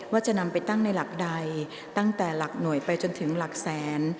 ว่าจะนำไปตั้งในหลักใดตั้งแต่หลักหน่วยไปจนถึงหลักแสน